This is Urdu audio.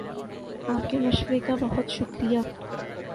آپ کے مشورے کا بہت شکر یہ